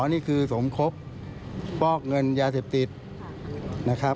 นี่คือสมคบป้อกเงินยี๋า๑๗